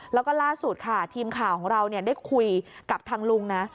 แล้วก็ล่าสุดค่ะทีมข่าวของเราได้คุยกับทางลุงนะ